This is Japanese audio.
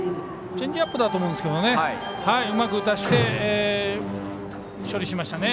チェンジアップだと思うんですけどうまく打たせて処理しましたね。